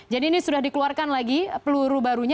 jadi ini sudah dikeluarkan lagi peluru barunya